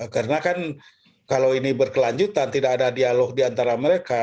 karena kan kalau ini berkelanjutan tidak ada dialog diantara mereka